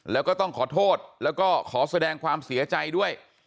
แล้วก็ต้องขอโทษแล้วก็ขอแสดงความเสียใจด้วย